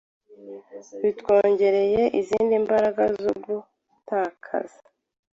bitwongereye izindi mbaraga zogutakaza